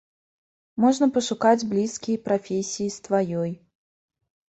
Можна пашукаць блізкія прафесіі з тваёй.